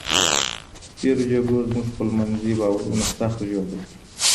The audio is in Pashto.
تېرو جګړو زموږ خپلمنځي باورونه سخت ژوبل کړل.